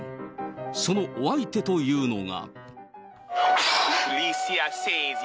そのお相手というのが。